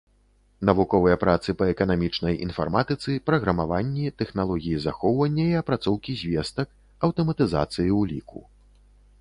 Навуковыя працы па эканамічнай інфарматыцы, праграмаванні, тэхналогіі захоўвання і апрацоўкі звестак, аўтаматызацыі ўліку.